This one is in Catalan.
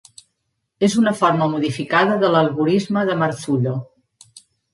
És una forma modificada de l'algorisme de Marzullo.